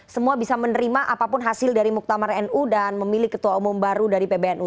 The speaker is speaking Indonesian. semua bisa menerima apapun hasil dari muktamar nu dan memilih ketua umum baru dari pbnu